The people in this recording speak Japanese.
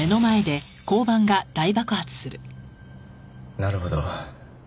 なるほど。